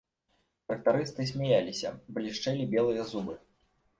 Трактарысты смяяліся, блішчэлі белыя зубы.